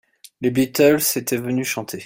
les Beatles étaient venus chanter.